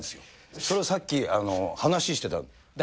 それをさっき、話してた。